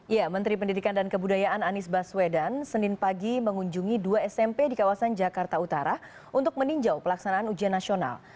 ya menteri pendidikan dan kebudayaan anies baswedan senin pagi mengunjungi dua smp di kawasan jakarta utara untuk meninjau pelaksanaan ujian nasional